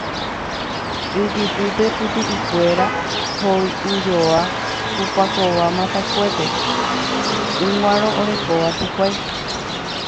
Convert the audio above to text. ijypýpe pipi'ikuéra hoy'ujoa ku pakova matakuépe yguárõ orekóva hikuái